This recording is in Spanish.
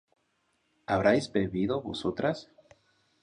¿habréis bebido vosotras?